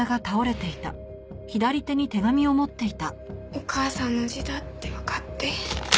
お母さんの字だってわかって。